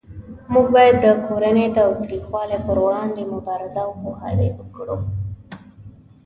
موږ باید د کورنۍ تاوتریخوالی پروړاندې مبارزه او پوهاوی وکړو